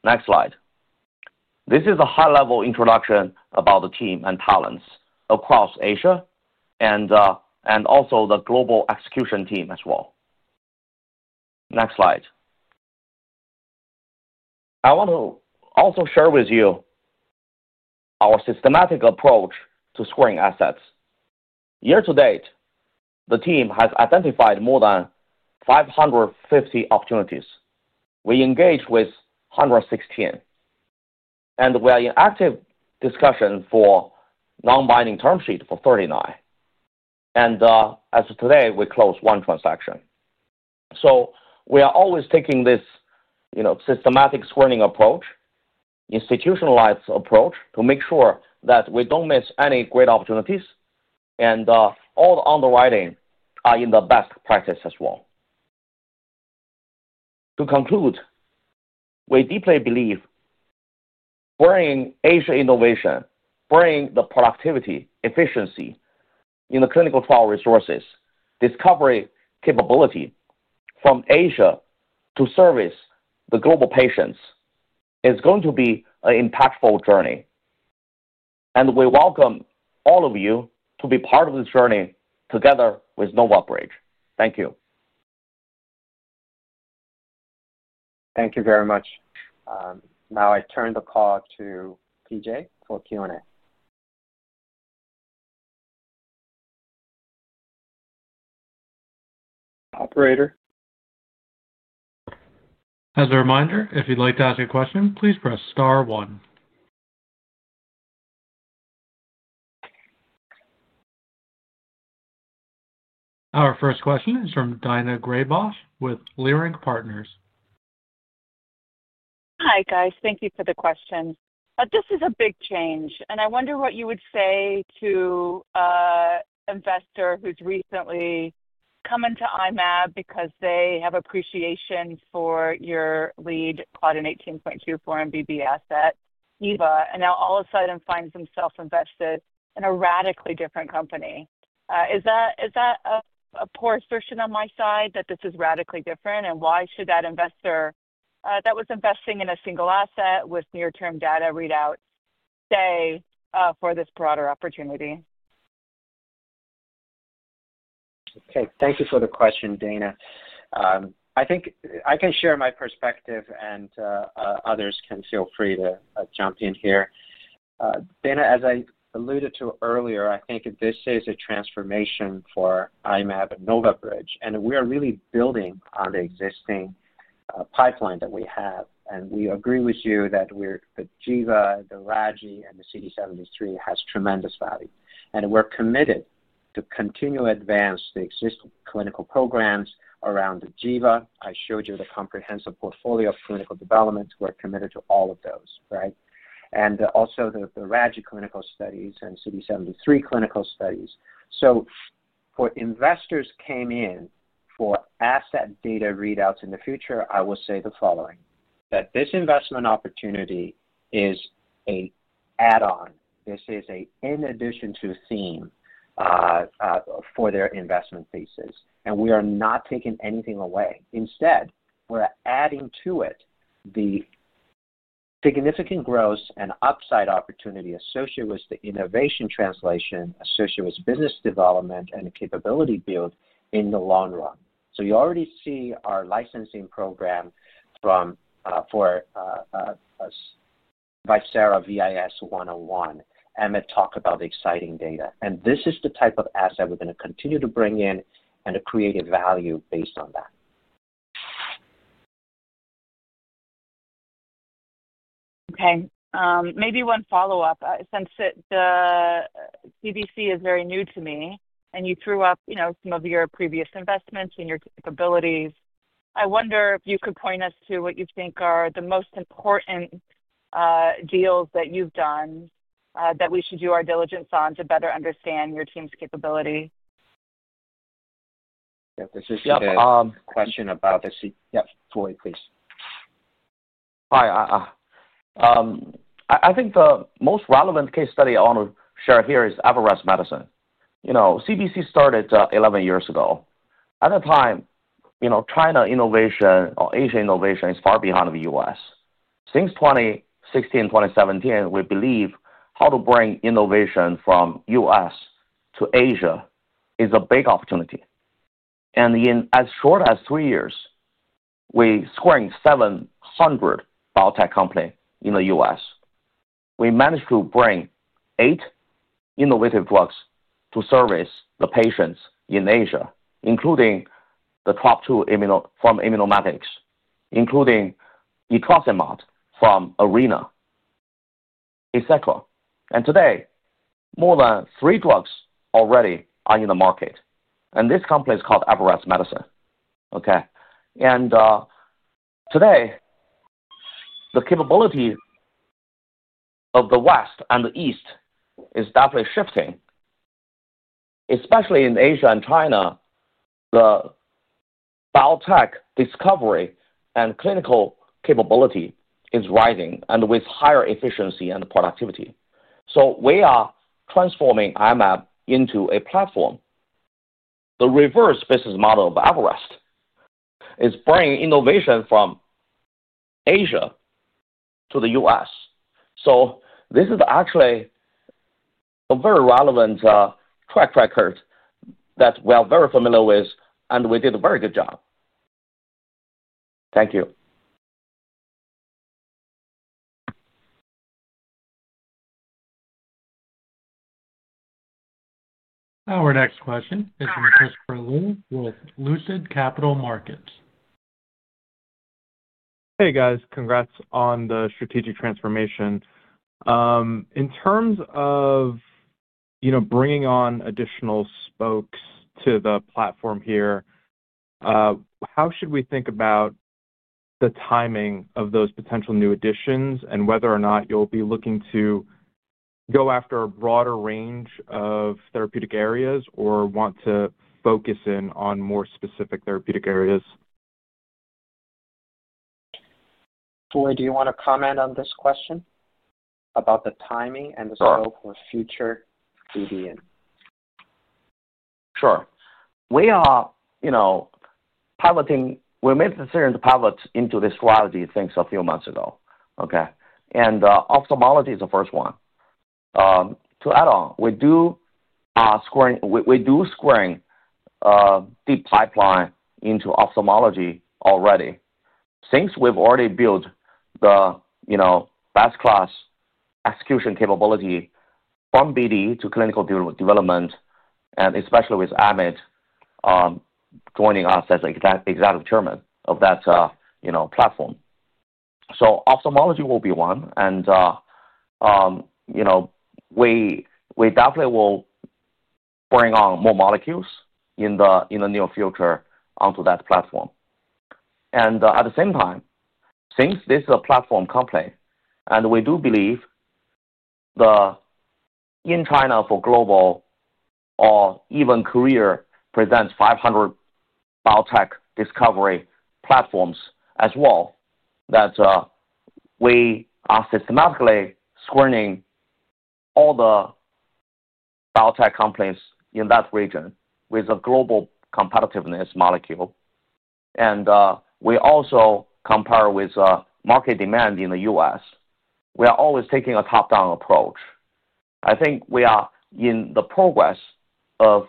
Next slide. This is a high-level introduction about the team and talents across Asia and also the global execution team as well. Next slide. I want to also share with you our systematic approach to scoring assets. Year to date, the team has identified more than 550 opportunities. We engaged with 116. We are in active discussion for non-binding term sheet for 39. As of today, we closed one transaction. We are always taking this systematic screening approach, institutionalized approach, to make sure that we don't miss any great opportunities. All the underwriting are in the best practice as well. To conclude, we deeply believe bringing Asia innovation, bringing the productivity, efficiency in the clinical trial resources, discovery capability from Asia to service the global patients is going to be an impactful journey. We welcome all of you to be part of this journey together with NovaBridge. Thank you. Thank you very much. Now I turn the call to PJ for Q&A. Operator. As a reminder, if you'd like to ask a question, please press star one. Our first question is from Daina Graybosch with Leerink Partners. Hi, guys. Thank you for the question. This is a big change. I wonder what you would say to an investor who's recently come into I-Mab because they have appreciation for your lead Claudin 18.2/4-1BB asset, Givastomig, and now all of a sudden finds themselves invested in a radically different company. Is that a poor assertion on my side that this is radically different? Why should that investor that was investing in a single asset with near-term data readouts stay for this broader opportunity? Okay. Thank you for the question, Daina. I think I can share my perspective, and others can feel free to jump in here. Daina, as I alluded to earlier, I think this is a transformation for I-Mab and NovaBridge. We are really building on the existing pipeline that we have. We agree with you that the Givastomig, the RAGI, and the CD73 have tremendous value. We're committed to continue to advance the existing clinical programs around the Givastomig. I showed you the comprehensive portfolio of clinical development. We're committed to all of those, right? Also the RAGI clinical studies and CD73 clinical studies. For investors who came in for asset data readouts in the future, I will say the following, that this investment opportunity is an add-on. This is an in addition to a theme for their investment thesis. We are not taking anything away. Instead, we're adding to it the significant growth and upside opportunity associated with the innovation translation associated with business development and the capability build in the long run. You already see our licensing program from Visara VIS-101. Emmett talked about the exciting data. This is the type of asset we're going to continue to bring in and to create a value based on that. Okay. Maybe one follow-up. Since the CBC Group is very new to me, and you threw up some of your previous investments and your capabilities, I wonder if you could point us to what you think are the most important deals that you've done that we should do our diligence on to better understand your team's capability. This is a question about the CBC Group, yeah. Fu Wei, please. Hi. I think the most relevant case study I want to share here is Everest Medicines. You know, CBC started 11 years ago. At the time, you know, China innovation or Asia innovation is far behind the U.S. Since 2016 and 2017, we believe how to bring innovation from the U.S. to Asia is a big opportunity. In as short as three years, we scored 700 biotech companies in the U.S. We managed to bring eight innovative drugs to service the patients in Asia, including the top two from Immunomatics, including Atrosimab from Arena, etc. Today, more than three drugs already are in the market. This company is called Everest Medicines. Today, the capability of the West and the East is definitely shifting. Especially in Asia and China, the biotech discovery and clinical capability is rising with higher efficiency and productivity. We are transforming I-Mab into a platform. The reverse business model of Everest is bringing innovation from Asia to the U.S. This is actually a very relevant track record that we are very familiar with, and we did a very good job. Thank you. Our next question is from Christopher Liu with Lucid Capital Markets. Hey, guys. Congrats on the strategic transformation. In terms of bringing on additional spokes to the platform here, how should we think about the timing of those potential new additions, and whether or not you'll be looking to go after a broader range of therapeutic areas or want to focus in on more specific therapeutic areas? Fu, do you want to comment on this question about the timing and the scope for future BD? Sure. We are piloting. We made a series of pilots into this strategy since a few months ago. Ophthalmology is the first one. To add on, we do screen deep pipeline into ophthalmology already. Since we've already built the, you know, best class execution capability from BD to clinical development, and especially with Emmett joining us as the Executive Chairman of that platform. Ophthalmology will be one. We definitely will bring on more molecules in the near future onto that platform. At the same time, since this is a platform company, and we do believe in China for global or even Korea presents 500 biotech discovery platforms as well, we are systematically screening all the biotech companies in that region with a global competitiveness molecule. We also compare with market demand in the U.S. We are always taking a top-down approach. I think we are in the progress of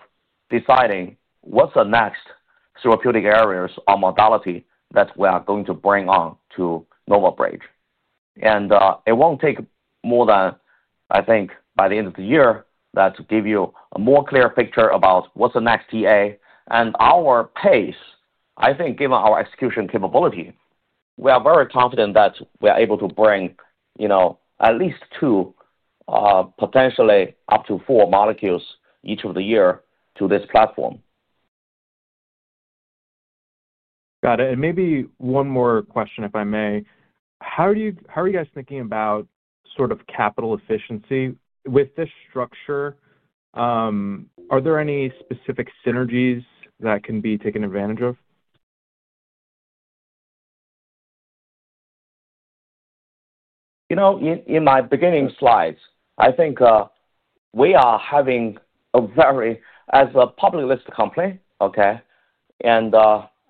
deciding what's the next therapeutic areas or modality that we are going to bring on to NovaBridge. It won't take more than, I think, by the end of the year to give you a more clear picture about what's the next TA. Our pace, I think, given our execution capability, we are very confident that we are able to bring at least two, potentially up to four molecules each of the year to this platform. Got it. Maybe one more question, if I may. How are you guys thinking about sort of capital efficiency with this structure? Are there any specific synergies that can be taken advantage of? In my beginning slides, I think we are having a very, as a public listed company, okay, and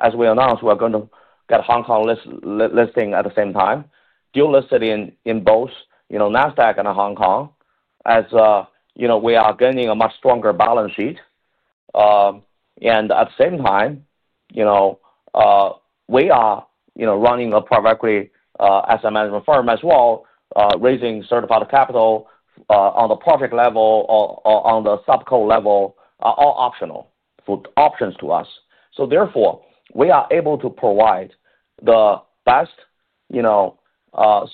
as we announced, we're going to get Hong Kong listing at the same time. Dual listed in both, you know, NASDAQ and Hong Kong, as you know, we are gaining a much stronger balance sheet. At the same time, you know, we are running a private equity asset management firm as well, raising certified capital on the project level or on the sub-call level, all options to us. Therefore, we are able to provide the best, you know,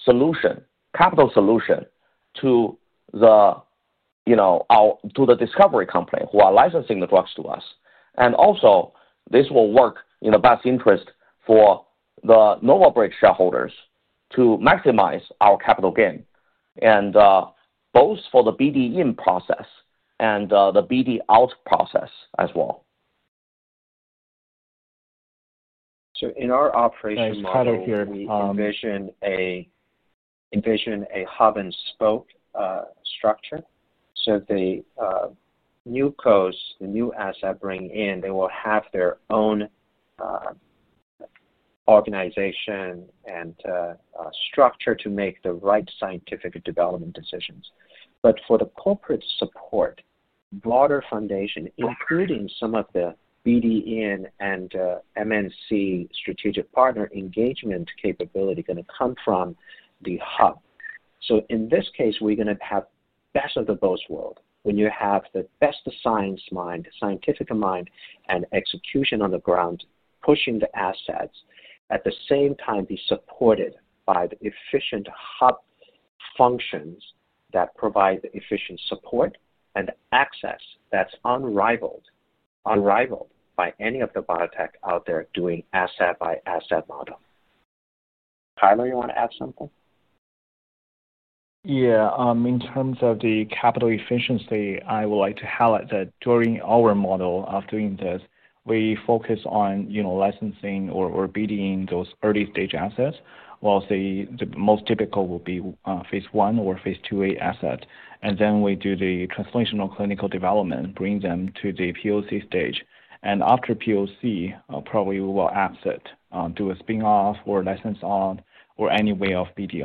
solution, capital solution to the discovery companies who are licensing the drugs to us. Also, this will work in the best interest for the NovaBridge shareholders to maximize our capital gain, and both for the BD in process and the BD out process as well. In our operation model, we envision a hub-and-spoke structure. The new cos, the new asset bring in, they will have their own organization and structure to make the right scientific development decisions. For the corporate support, broader foundation, including some of the BD in and MNC strategic partner engagement capability, is going to come from the hub. In this case, we're going to have the best of both worlds when you have the best of science mind, scientific mind, and execution on the ground pushing the assets. At the same time, be supported by the efficient hub functions that provide the efficient support and access that's unrivaled by any of the biotech out there doing asset-by-asset model. Tyler, you want to add something? Yeah. In terms of the capital efficiency, I would like to highlight that during our model of doing this, we focus on licensing or BD in those early-stage assets, while the most typical would be phase one or phase two asset. We do the transformational clinical development, bring them to the POC stage. After POC, probably we will add to it, do a spin-off or license on or any way of BD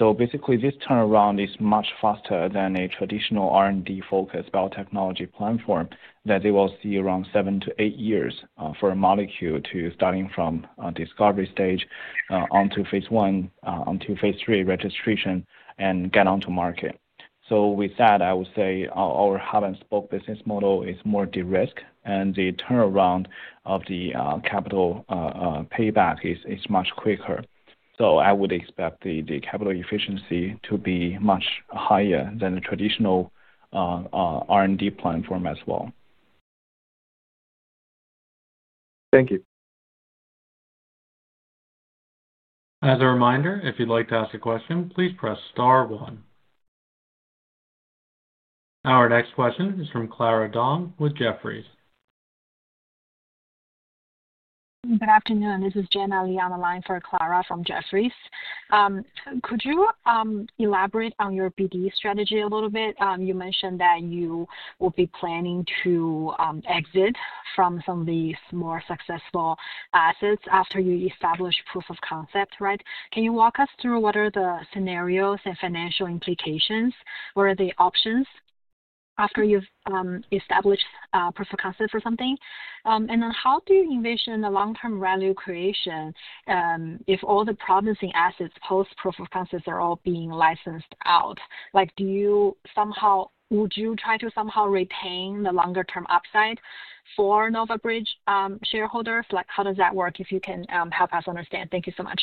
out. Basically, this turnaround is much faster than a traditional R&D-focused biotechnology platform that they will see around seven to eight years for a molecule to starting from discovery stage onto phase one until phase three registration and get onto market. With that, I would say our hub-and-spoke business model is more de-risked, and the turnaround of the capital payback is much quicker. I would expect the capital efficiency to be much higher than the traditional R&D platform as well. Thank you. As a reminder, if you'd like to ask a question, please press star one. Our next question is from Clara Dong with Jefferies. Good afternoon. This is Jenna Li on the line for Clara from Jefferies. Could you elaborate on your BD strategy a little bit? You mentioned that you will be planning to exit from some of these more successful assets after you establish proof of concept, right? Can you walk us through what are the scenarios and financial implications? What are the options after you've established proof of concept for something? How do you envision the long-term revenue creation if all the promising assets post-proof of concept are all being licensed out? Would you try to somehow retain the longer-term upside for NovaBridge shareholders? How does that work if you can help us understand? Thank you so much.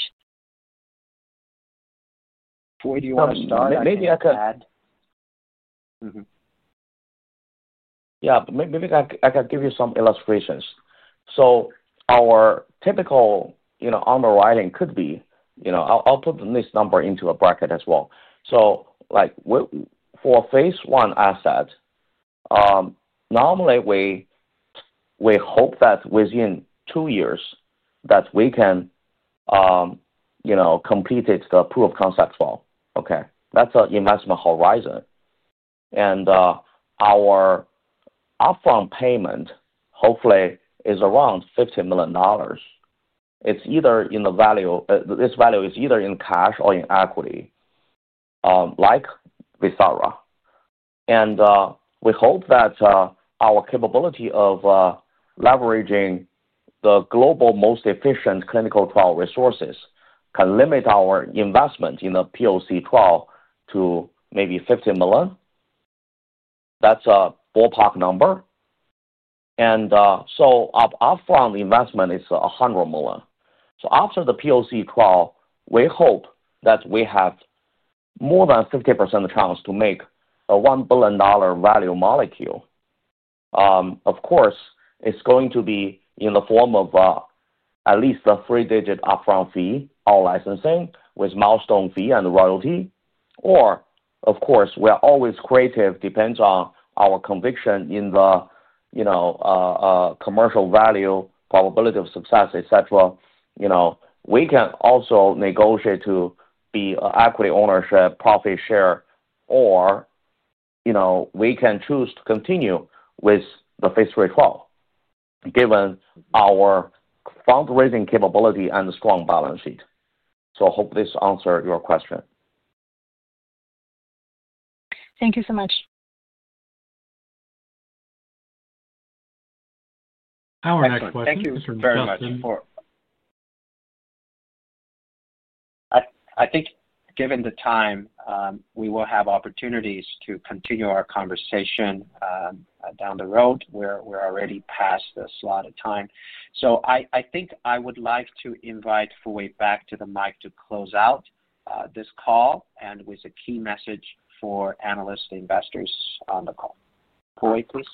Fu, do you want to start? I didn't mean to add. Yeah. Maybe I can give you some illustrations. Our typical underwriting could be, I'll put this number into a bracket as well. For a phase one asset, normally we hope that within two years we can complete the proof of concept as well. That's an investment horizon. Our upfront payment hopefully is around $50 million. This value is either in cash or in equity, like Visara. We hope that our capability of leveraging the global most efficient clinical trial resources can limit our investment in the POC trial to maybe $50 million. That's a ballpark number. Our upfront investment is $100 million. After the POC trial, we hope that we have more than 50% chance to make a $1 billion value molecule. Of course, it's going to be in the form of at least a three-digit upfront fee, our licensing with milestone fee and royalty. Of course, we are always creative, depends on our conviction in the commercial value, probability of success, etc. We can also negotiate to be an equity ownership profit share, or we can choose to continue with the phase three trial given our fundraising capability and the strong balance sheet. I hope this answers your question. Thank you so much. Our next question is from Justin. I think given the time, we will have opportunities to continue our conversation down the road. We're already past the slot of time. I think I would like to invite Fu Wei back to the mic to close out this call with a key message for analysts and investors on the call. Fu Wei, please.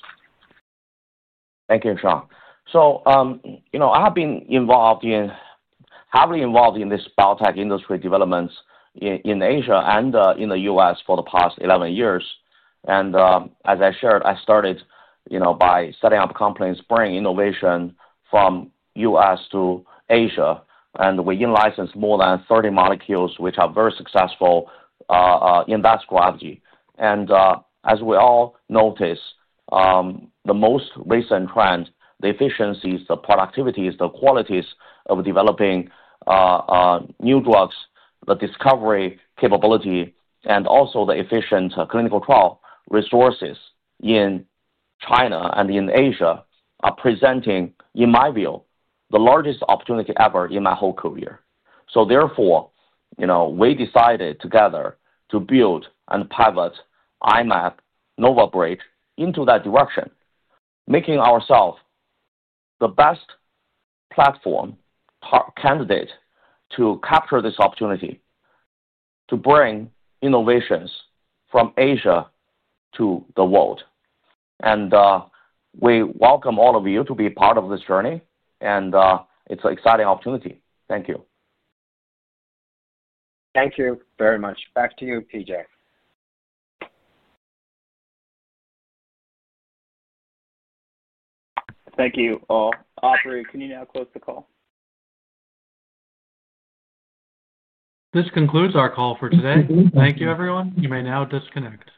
Thank you, Sean. I have been heavily involved in this biotech industry developments in Asia and in the U.S. for the past 11 years. As I shared, I started by setting up companies bringing innovation from the U.S. to Asia. We license more than 30 molecules, which are very successful in that strategy. As we all notice, the most recent trend, the efficiencies, the productivities, the qualities of developing new drugs, the discovery capability, and also the efficient clinical trial resources in China and in Asia are presenting, in my view, the largest opportunity ever in my whole career. Therefore, we decided together to build and pivot I-Mab, Nova Bridge into that direction, making ourselves the best platform candidate to capture this opportunity to bring innovations from Asia to the world. We welcome all of you to be part of this journey. It's an exciting opportunity. Thank you. Thank you very much. Back to you, PJ. Thank you all. Operator, can you now close the call? This concludes our call for today. Thank you, everyone. You may now disconnect.